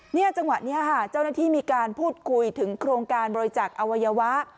จังหวะนี้ค่ะเจ้าหน้าที่มีการพูดคุยถึงโครงการบริจักษ์อวัยวะ